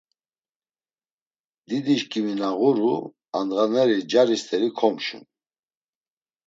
Didişkimi na ğuru, andğaneri cari st̆eri komşum.